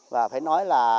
và phải nói là